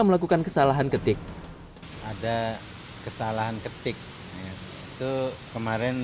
melakukan kesalahan ketik ada kesalahan ketik itu kemarin